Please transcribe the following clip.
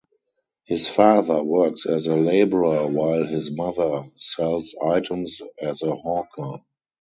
His father works as a labourer while his mother sells items as a hawker.